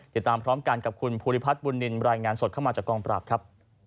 ติดตามพร้อมกันกับคุณภูริพัฒน์บุญนินรายงานสดเข้ามาจากกองปราบครับ